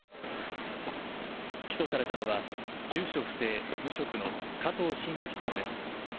起訴されたのは住所不定、無職の加藤臣吾被告です。